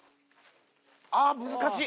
あぁ難しい。